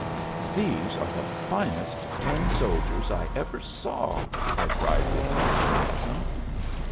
"These are the finest tin soldiers I ever saw!" I cried with enthusiasm.